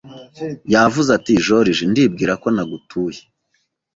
Yavuze ati: “Joriji, ndibwira ko nagutuye.”